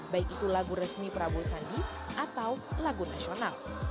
baik itu lagu resmi prabowo sandi atau lagu nasional